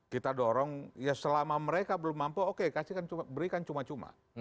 kita dorong ya selama mereka belum mampu oke berikan cuma cuma